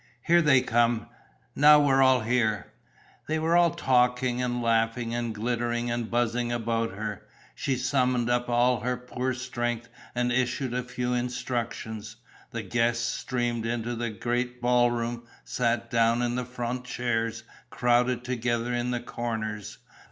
"Here they come.... Now we're all there...." They were all talking and laughing and glittering and buzzing about her. She summoned up all her poor strength and issued a few instructions. The guests streamed into the great ball room, sat down in the front chairs, crowded together in the corners.